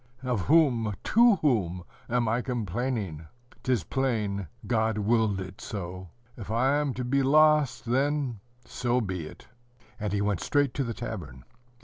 Of whom, to whom, am I complaining? 'T is plain, God willed it so. If I am to be lost, then so be it!" and he went straight to the tavern.